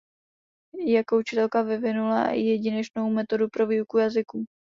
Jako učitelka vyvinula jedinečnou metodu pro výuku jazyků.